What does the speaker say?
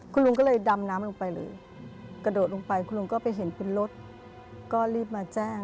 คุณลุงก็เลยดำน้ำลงไปเลยกระโดดลงไปคุณลุงก็ไปเห็นเป็นรถก็รีบมาแจ้ง